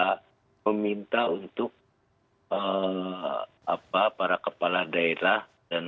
pak sekda meminta untuk para kepala daerah